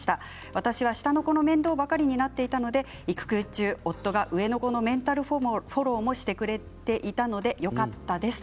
私は下の子の面倒ばかりになっていたので育休中上の子のメンタルフォローをしてくれていたのでよかったです。